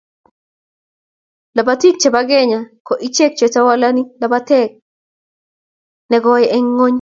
Lobotii che bo Kenya ko icheek chetowolani labatee ne koi eng ngony.